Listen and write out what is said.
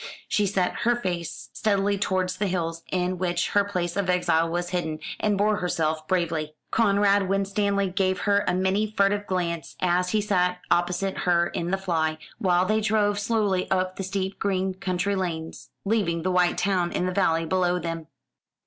She set her face steadily towards the hills in which her place of exile was hidden, and bore herself bravely. Conrad Winstanley gave her many a furtive glance as he sat opposite her in the fly, while they drove slowly up the steep green country lanes, leaving the white town in the valley below them.